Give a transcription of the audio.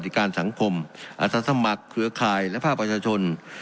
การสังคมอาสาสมัครเครือข่ายและภาคประชาชน